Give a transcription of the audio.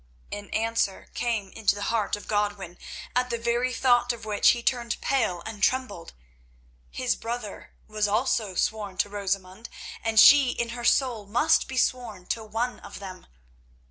An answer came into the heart of Godwin, at the very thought of which he turned pale and trembled. His brother was also sworn to Rosamund, and she in her soul must be sworn to one of them.